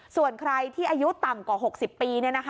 ส่วนใครที่อายุต่ำกว่า๖๐ปี